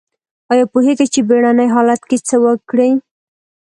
ایا پوهیږئ چې بیړني حالت کې څه وکړئ؟